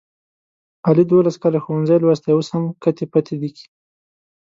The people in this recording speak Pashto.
علي دوولس کاله ښوونځی لوستی اوس هم کتې پتې لیکي.